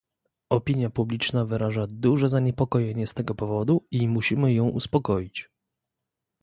Opinia publiczna wyraża duże zaniepokojenie z tego powodu i musimy ją uspokoić